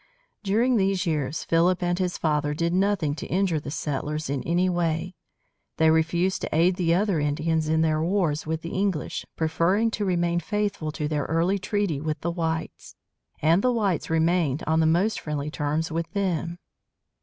During these years Philip and his father did nothing to injure the settlers in any way. They refused to aid the other Indians in their wars with the English, preferring to remain faithful to their early treaty with the whites; and the whites remained on the most friendly terms with them.